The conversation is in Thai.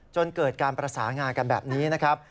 จนเกิดการประสานงากันแบบนี้นะครับ